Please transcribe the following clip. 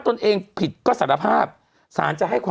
กรมป้องกันแล้วก็บรรเทาสาธารณภัยนะคะ